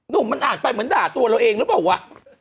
ดูมันอ่านไปเหมือนด่าตัวเราเองรึเปล่าวะ